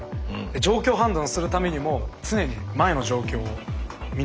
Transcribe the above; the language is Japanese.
状況判断するためにも常に前の状況を見ながら。